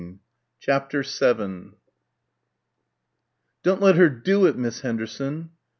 CHAPTER VII "Don't let her do it, Miss Henderson."